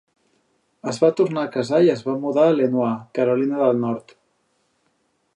Es va tornar a casar i es va mudar a Lenoir, Carolina del Nord.